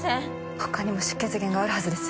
他にも出血源があるはずです